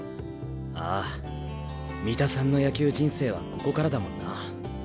ああ三田さんの野球人生はここからだもんな。